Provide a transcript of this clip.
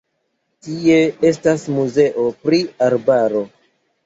Tie estas muzeo pri arbaro.